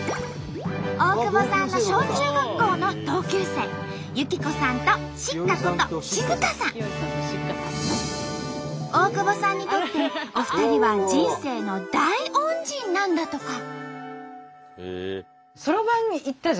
大久保さんの小中学校の同級生大久保さんにとってお二人は人生の大恩人なんだとか。